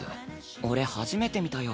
俺初めて見たよ。